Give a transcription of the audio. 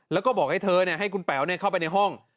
แล้วก็บอกให้เธอให้คุณแป๋วเข้าไปในห้อง